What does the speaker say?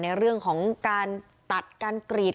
ในเรื่องของการตัดการกรีด